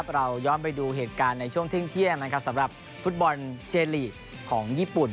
เราย้อนไปดูเหตุการณ์ในช่วงเที่ยงนะครับสำหรับฟุตบอลเจลีกของญี่ปุ่น